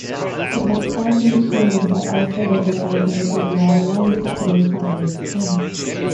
It was partially funded by outside advertising, which was liaised through Flinders One.